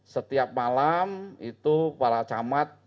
setiap malam itu para camat